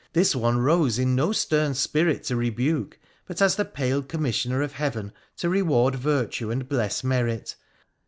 This one rose in no stern spirit to rebuke, but as the pale commis sioner of Heaven to reward virtue and bless merit.